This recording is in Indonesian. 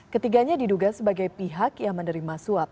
ketiganya diduga sebagai pihak yang menerima suap